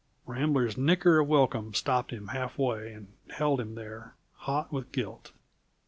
Rambler's nicker of welcome stopped him half way and held him there, hot with guilt.